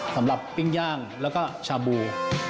สำหรับปิ้งย่างแล้วก็ชาบู